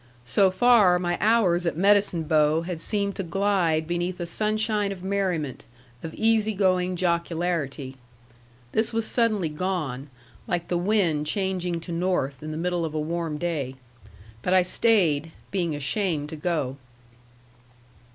So far my hours at Medicine Bow had seemed to glide beneath a sunshine of merriment, of easy going jocularity. This was suddenly gone, like the wind changing to north in the middle of a warm day. But I stayed, being ashamed to go.